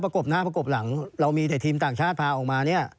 พากบหน้าพากบหลังเรามีทีมต่างชาติพาออกมา